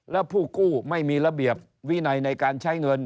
แล้วผู้กู้ไม่มีระเบียบวินัยในการใช้เงิน